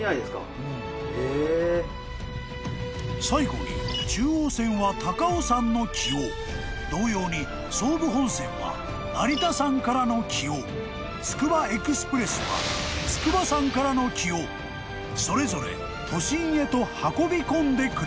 ［最後に中央線は高尾山の気を同様に総武本線は成田山からの気をつくばエクスプレスは筑波山からの気をそれぞれ都心へと運び込んでくれている］